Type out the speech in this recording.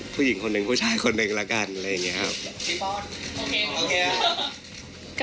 ผู้หญิงคนหนึ่งผู้ชายคนหนึ่งละกันอะไรอย่างนี้ครับ